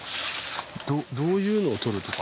どういうのを採るとか。